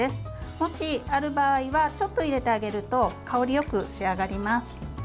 もし、ある場合はちょっと入れてあげると香りよく仕上がります。